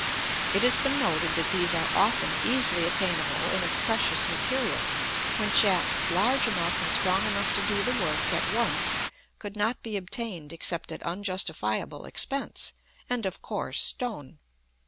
It has been noted that these are often easily attainable, and of precious materials, when shafts large enough and strong enough to do the work at once, could not be obtained except at unjustifiable expense, and of coarse stone.